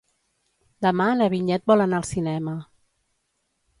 Demà na Vinyet vol anar al cinema.